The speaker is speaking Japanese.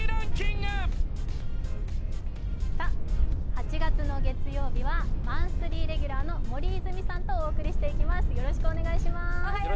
８月の月曜日はマンスリーレギュラーの森泉さんとお送りしていきます。